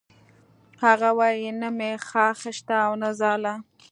هغه وایی نه مې خاښ شته او نه ځاله